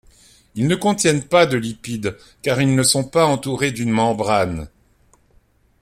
Ils ne contiennent pas de lipides car ils ne sont pas entourés d'une membrane.